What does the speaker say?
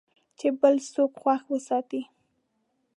چې بل څوک خوښ وساتې .